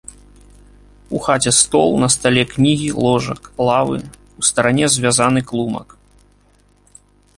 У хаце стол, на стале кнігі, ложак, лавы, у старане звязаны клумак.